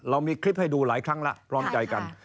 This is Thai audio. มีคลิปให้ดูหลายครั้งแล้วพร้อมใจกัน